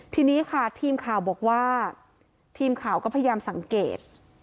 ทีนี้ค่ะทีมข่าวบอกว่าทีมข่าวก็พยายามสังเกต